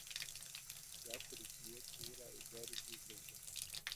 byakurikiye kubura ibyari byitezwe